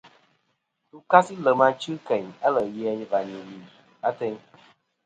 Ndu kasi lem achɨ keyn alè' ghè a và li lì ateyn.